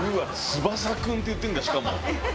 「翼君」って言ってるんだしかも。